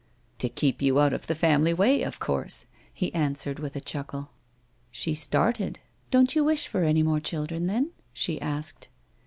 "To keep you out of the family way, of course," he answered, with a chuckle. She started. " Don't you wish for any more children, then ?" she asked.